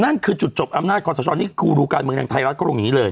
นั่นคือจุดจบอำนาจคอสชนี่ครูดูการเมืองทางไทยรัฐก็ลงอย่างนี้เลย